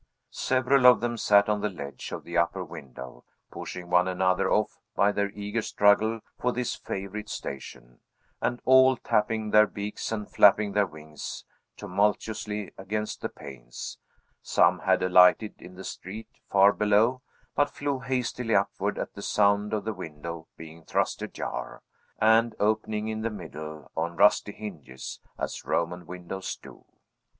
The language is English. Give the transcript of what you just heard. Several of them sat on the ledge of the upper window, pushing one another off by their eager struggle for this favorite station, and all tapping their beaks and flapping their wings tumultuously against the panes; some had alighted in the street, far below, but flew hastily upward, at the sound of the window being thrust ajar, and opening in the middle, on rusty hinges, as Roman windows do.